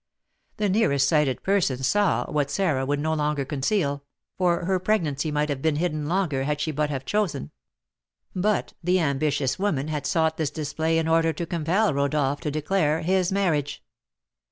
The nearest sighted persons saw what Sarah would no longer conceal, for her pregnancy might have been hidden longer had she but have chosen; but the ambitious woman had sought this display in order to compel Rodolph to declare his marriage.